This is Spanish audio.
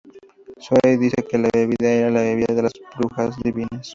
Zoe dice que la bebida era la "bebida de las brujas divinas".